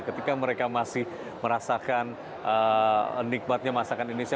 ketika mereka masih merasakan nikmatnya masakan indonesia